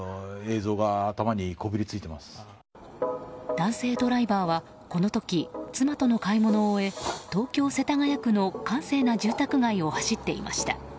男性ドライバーはこの時、妻との買い物を終え東京・世田谷区の閑静な住宅街を走っていました。